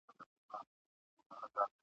د ښکاري په لاس چاړه وه دم درحاله !.